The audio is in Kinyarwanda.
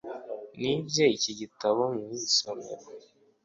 nibye iki gitabo mu isomero